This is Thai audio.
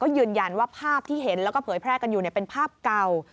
ยืนยันว่าภาพที่เห็นแล้วก็เผยแพร่กันอยู่เป็นภาพเก่า